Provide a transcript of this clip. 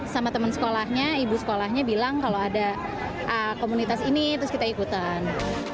sama teman sekolahnya ibu sekolahnya bilang kalau ada komunitas ini terus kita ikutan